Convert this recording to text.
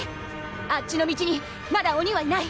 あっちの道にまだ鬼はいない。